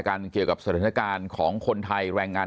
เกี่ยวกับสถานการณ์ของคนไทยแรงงาน